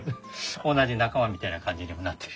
同じ仲間みたいな感じにもなってる。